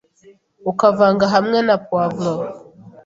ukavanga hamwe na poivre,